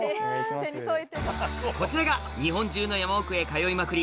こちらが日本中の山奥へ通いまくり